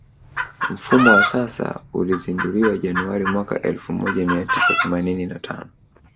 Mfumo wa sasa ulizinduliwa Januari mwaka elfu moja mia tisa themanini na tano